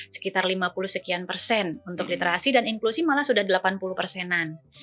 sekitar lima puluh sekian persen untuk literasi dan inklusi malah sudah delapan puluh persenan